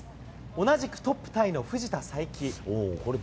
同じくトップタイの藤田さいき。